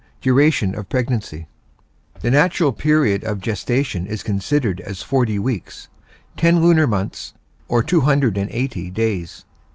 XXIX. DURATION OF PREGNANCY The natural period of gestation is considered as forty weeks, ten lunar months, or 280 days.